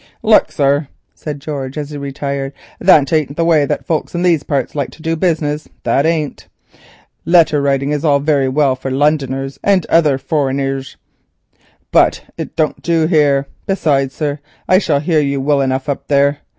"Lord, sir," said George as he retired, "that ain't the way that folks in these parts like to do business, that ain't. Letter writing is all very well for Londoners and other furriners, but it don't do here. Besides, sir, I shall hear you well enough up there.